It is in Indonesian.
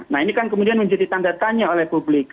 nah ini kan kemudian menjadi tanda tanya oleh publik